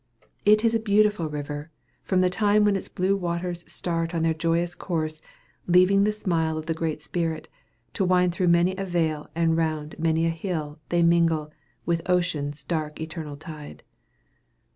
It is a beautiful river, from the time when its blue waters start on their joyous course, leaving "the smile of the Great Spirit," to wind through many a vale, and round many a hill, till they mingle "With ocean's dark eternal tide."